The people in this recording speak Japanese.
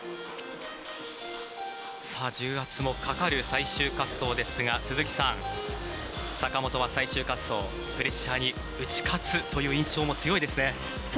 重圧もかかる最終滑走ですが坂本は最終滑走プレッシャーに打ち勝つという印象も強いですね。